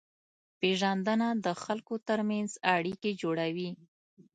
پېژندنه د خلکو ترمنځ اړیکې جوړوي.